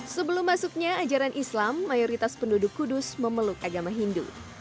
sebelum masuknya ajaran islam mayoritas penduduk kudus memeluk agama hindu